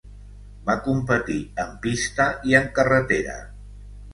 Va competir en pista i en carretera.